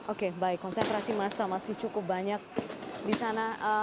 oke baik konsentrasi massa masih cukup banyak di sana